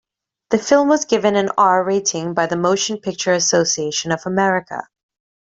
The film was given an "R" rating by the Motion Picture Association of America.